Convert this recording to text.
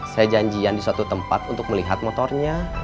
saya janjian di suatu tempat untuk melihat motornya